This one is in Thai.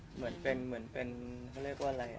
เหมือนเป็นเขาเรียกว่าอะไร